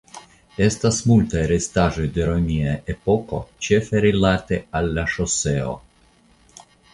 Estas multaj restaĵoj de romia epoko ĉefe rilate al la ŝoseo.